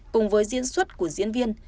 cùng với diễn xuất của diễn viên